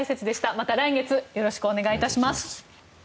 また来月よろしくお願いいたします。